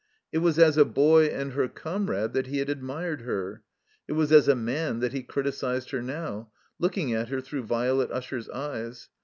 It was as a boy and her comrade that he had admired her. It was as a man that he criticized her now, looking at her through Violet Usher's eyes.